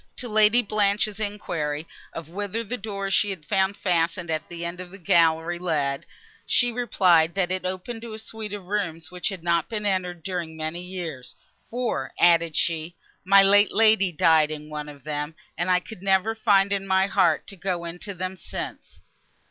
To Lady Blanche's enquiry of whither the door she had found fastened at the end of the gallery led, she replied, that it opened to a suite of rooms, which had not been entered, during many years, "For," added she, "my late lady died in one of them, and I could never find in my heart to go into them since."